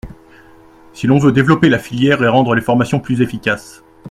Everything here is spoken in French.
Si l’on veut développer la filière et rendre les formations plus efficaces.